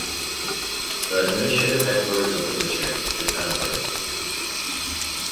The administrative headquarters of the district is Anuppur.